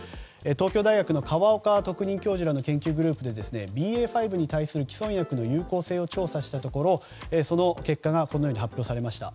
東京大学の河岡義裕特任教授らの研究グループでＢＡ．５に対する既存薬の有効性を調査したところその結果が発表されました。